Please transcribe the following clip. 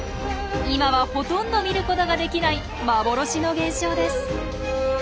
今はほとんど見ることができない幻の現象です。